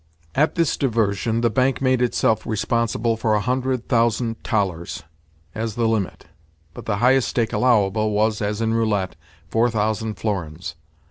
At this diversion the bank made itself responsible for a hundred thousand thalers as the limit, but the highest stake allowable was, as in roulette, four thousand florins.